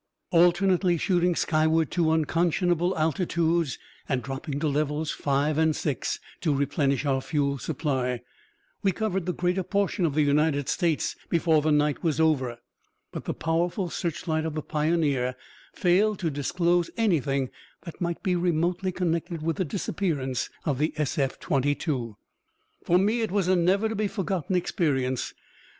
Alternately shooting skyward to unconscionable altitudes and dropping to levels five and six to replenish our fuel supply, we covered the greater portion of the United States before the night was over. But the powerful searchlight of the Pioneer failed to disclose anything that might be remotely connected with the disappearance of the SF 22. For me it was a never to be forgotten experience.